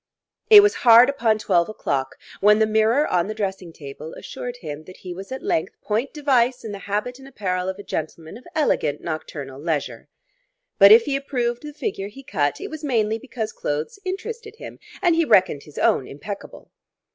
It was hard upon twelve o'clock when the mirror on the dressing table assured him that he was at length point device in the habit and apparel of a gentleman of elegant nocturnal leisure. But if he approved the figure he cut, it was mainly because clothes interested him and he reckoned his own impeccable.